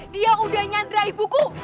dia udah nyandra ibu ku